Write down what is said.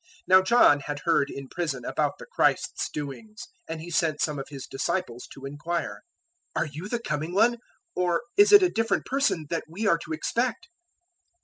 011:002 Now John had heard in prison about the Christ's doings, and he sent some of his disciples to inquire: 011:003 "Are you the Coming One, or is it a different person that we are to expect?"